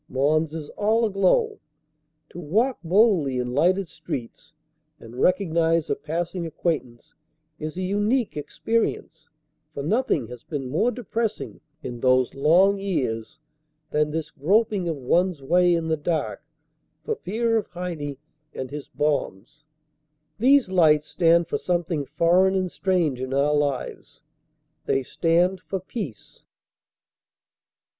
Mons is all aglow. To walk boldly in lighted streets and recognise a passing acquaintance is a unique experience, for nothing has been more depressing in those long years than this groping of one s way in the dark for fear of Heine and his bombs. These lights stand for something foreign and strange in our lives. They stand for peace.